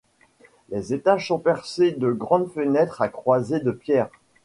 Les étages sont percés de grandes fenêtres à croisée de pierre.